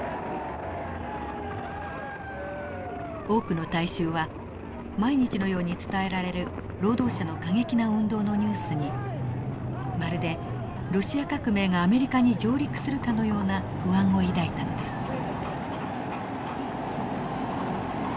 多くの大衆は毎日のように伝えられる労働者の過激な運動のニュースにまるでロシア革命がアメリカに上陸するかのような不安を抱いたのです。